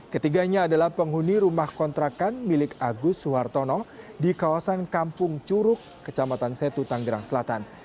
ketiganya adalah penghuni rumah kontrakan milik agus suhartono di kawasan kampung curug kecamatan setu tanggerang selatan